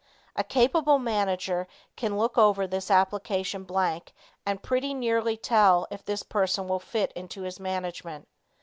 A capable manager can look over this application blank and pretty nearly tell if this person will fit into his management.